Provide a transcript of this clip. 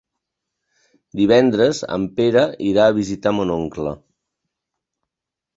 Divendres en Pere irà a visitar mon oncle.